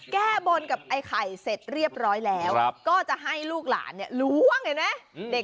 แก้บนกับไอ้ไข่เสร็จเรียบร้อยแล้วก็จะให้ลูกหลานเนี่ยล้วงเห็นไหม